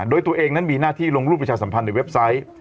โดยตัวเองนั้นมีหน้าที่ลงรูปประชาสัมพันธ์ในเว็บไซต์